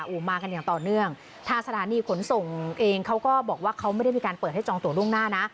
โอ้โหมากันอย่างต่อเนื่องทางสถานีขนส่งเองเขาก็บอกว่าเขาไม่ได้มีการเปิดให้จองตัวล่วงหน้านะ